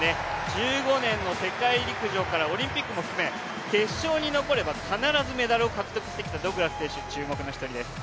１５年の世界陸上からオリンピックも含め、決勝に残れば必ずメダルを取ってきたドグラス選手に注目です。